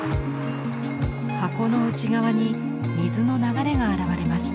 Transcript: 箱の内側に水の流れが現れます。